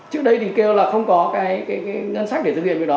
trước đây thì kêu là không có cái ngân sách để thực hiện việc đó